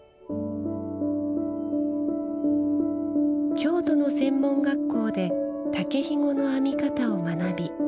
京都の専門学校で竹ひごの編み方を学び